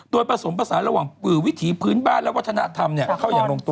โดยผสมผสานระหว่างวิถีพื้นบ้านและวัฒนธรรมเข้าอย่างลงตัว